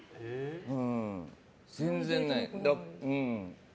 全然ない。